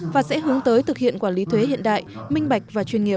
và sẽ hướng tới thực hiện quản lý thuế hiện đại minh bạch và chuyên nghiệp